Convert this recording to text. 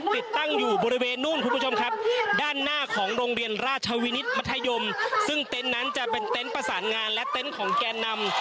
ติดตั้งอยู่บริเวณนู่นคุณผู้ชมครับด้านหน้าของโรงเรียนราชวินิตมัธยมซึ่งเต็นต์นั้นจะเป็นเต็นต์ประสานงานและเต็นต์ของแกนนำ